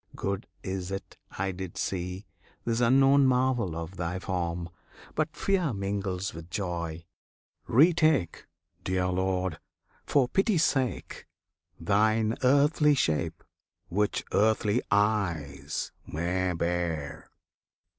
Good is it I did see This unknown marvel of Thy Form! But fear Mingles with joy! Retake, Dear Lord! for pity's sake Thine earthly shape, which earthly eyes may bear!